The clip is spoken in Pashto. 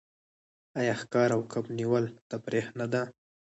آیا ښکار او کب نیول تفریح نه ده؟